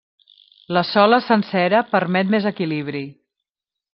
La sola sencera permet més equilibri.